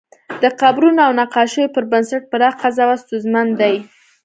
د قبرونو او نقاشیو پر بنسټ پراخ قضاوت ستونزمن دی.